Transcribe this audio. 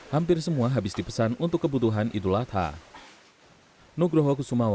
hampir semua habis dipesan untuk kebutuhan idulatah